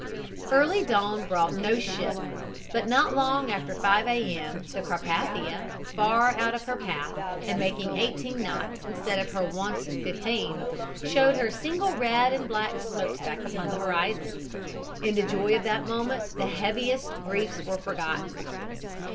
"Early dawn brought no ship, but not long after 5 A. M. the Carpathia, far out of her path and making eighteen knots, instead of her wonted fifteen, showed her single red and black smokestack upon the horizon. In the joy of that moment, the heaviest griefs were forgotten.